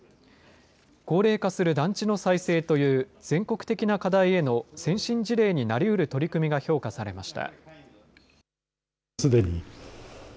高齢化する団地の再生という、全国的な課題への先進事例になりうる取り組みが評価されました。